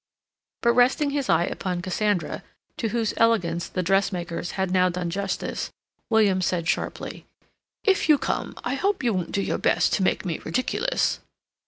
But resting his eye upon Cassandra, to whose elegance the dressmakers had now done justice, William said sharply: "If you come, I hope you won't do your best to make me ridiculous."